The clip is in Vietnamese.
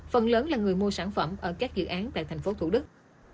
phần lớn là người mua sản phẩm ở các dự án tại tp thủ đức